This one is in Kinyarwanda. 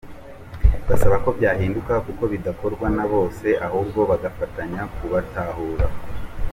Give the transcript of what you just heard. Basaba ko byahinduka kuko bidakorwa na bose, ahubwo bagafatanya kubatahura.